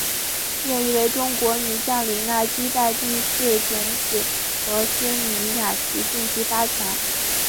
另一位中国女将李娜击败第四种籽禾丝妮雅琪晋级八强。